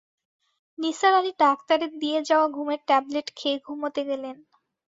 নিসার আলি ডাক্তারের দিয়ে-যাওয়া ঘুমের ট্যাবলেট খেয়ে ঘুমুতে গেলেন।